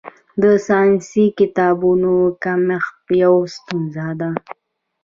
د ساینسي کتابونو کمښت یوه ستونزه ده.